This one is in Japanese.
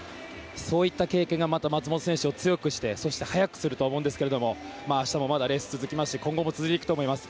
そういった経験がまた松元選手を強くしてそして速くすると思うんですが明日もまだレースは続きますし今後も続いていくと思います。